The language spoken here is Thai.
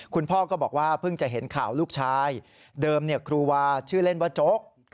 คุณพ่อก็บอกว่าเพิ่งจะเห็นข่าวลูกชายเดิมครูวาชื่อเล่นว่าโจ๊ก